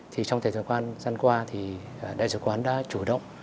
thì trong thời gian qua thì đại sứ quán đã chủ động